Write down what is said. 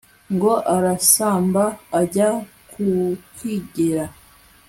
ngo arasamba ajya kukwigera